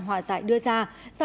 hòa giải của các nhà trung gian